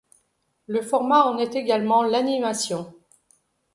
Le format en est également l'animation.